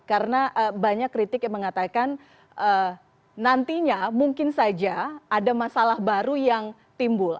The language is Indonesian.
karena banyak kritik yang mengatakan nantinya mungkin saja ada masalah baru yang timbul